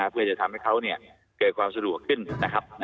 เพื่อทำให้เค้าเนี่ยเกิดความสะดวกขึ้นนะครับ